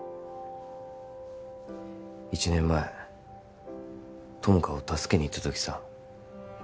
１年前友果を助けに行った時さ